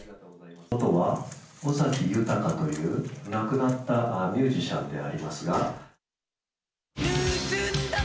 弟は尾崎豊という亡くなったミュージシャンでありますが。